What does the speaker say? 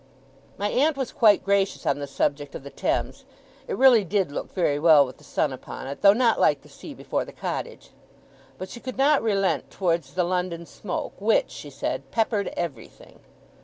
My aunt was quite gracious on the subject of the Thames (it really did look very well with the sun upon it, though not like the sea before the cottage), but she could not relent towards the London smoke, which, she said, 'peppered everything'.